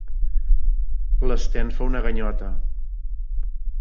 L'Sten fa una ganyota.